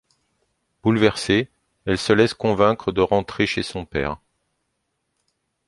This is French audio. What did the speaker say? Bouleversée, elle se laisse convaincre de rentrer chez son père.